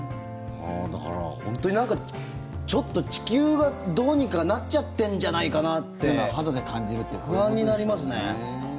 だから本当になんかちょっと地球がどうにかなっちゃってんじゃないかなって不安になりますね。